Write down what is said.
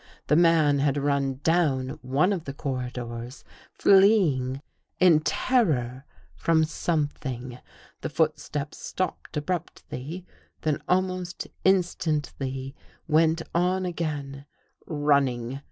The man had run down one of the corridors, fleeing in terror from something. The footsteps stopped ab ruptly, then almost instantly went on again, running.